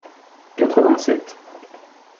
quatre-vingt-sept